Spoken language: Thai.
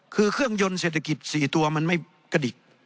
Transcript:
คือเครื่องยนต์เศรษฐกิจ๔ตัวมันไม่กระดิก